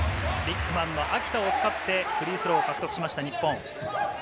ビッグマンの秋田を使ってフリースローを獲得しました、日本。